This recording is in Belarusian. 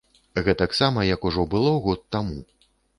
Гэтаксама, як ужо было год таму.